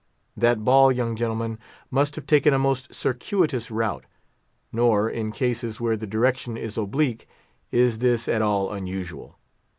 That ball, young gentlemen, must have taken a most circuitous route. Nor, in cases where the direction is oblique, is this at all unusual.